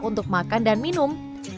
untuk makan dan minum